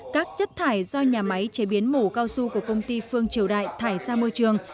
các chất thải do nhà máy chế biến mổ cao su của công ty phương triều đại thải ra môi trường